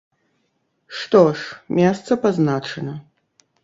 Што ж, месца пазначана.